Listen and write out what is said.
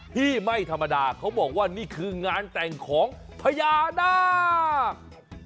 ที่ไม่ธรรมดาเขาบอกว่านี่คืองานแต่งของพญานาค